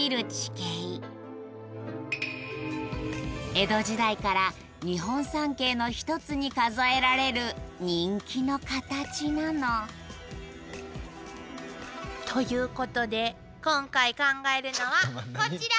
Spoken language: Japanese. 江戸時代から日本三景のひとつに数えられる人気のカタチなのということで今回考えるのはこちら！